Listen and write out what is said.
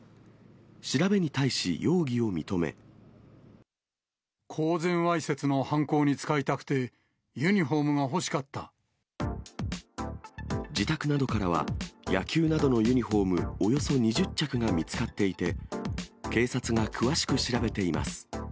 調べに対し、公然わいせつの犯行に使いた自宅などからは、野球などのユニホームおよそ２０着が見つかっていて、警察が詳しく調べています。